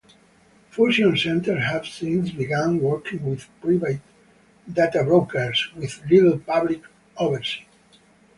Fusion centers have since begun working with private "data brokers" with little public oversight.